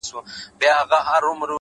• چي ښکلي سترګي ستا وویني،